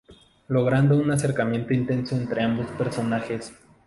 Logrando un acercamiento intenso entre ambos personajes.